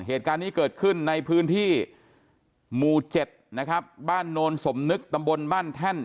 เหตุการณ์นี้เกิดขึ้นในพื้นที่หมู่๗นะครับบ้านโนนสมนึกตำบลบ้านแท่น